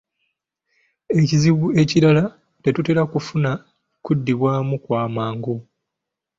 Ekizibu ekirala, tetutera kufuna kuddibwamu kwa mangu.